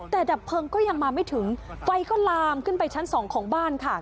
แต่ดับเพลิงก็ยังมาไม่ถึงไฟก็ลามขึ้นไปชั้นสองของบ้านค่ะ